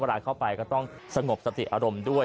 เข้าไปก็ต้องสงบสติอารมณ์ด้วย